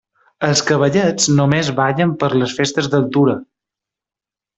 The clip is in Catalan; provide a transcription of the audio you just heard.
Els Cavallets només ballen per les Festes del Tura.